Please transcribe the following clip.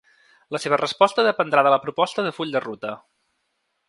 La seva resposta dependrà de la proposta de full de ruta.